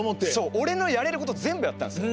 俺のやれること全部やったんですよ。